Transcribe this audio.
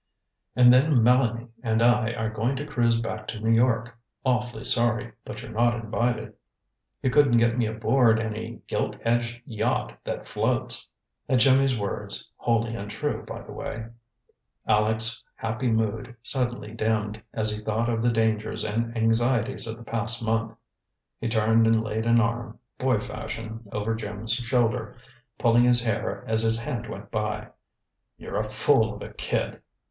"And then Mélanie and I are going to cruise back to New York. Awfully sorry but you're not invited." "You couldn't get me aboard any gilt edged yacht that floats!" At Jimmy's words wholly untrue, by the way Aleck's happy mood suddenly dimmed, as he thought of the dangers and anxieties of the past month. He turned and laid an arm, boy fashion, over Jim's shoulder, pulling his hair as his hand went by. "You're a fool of a kid!"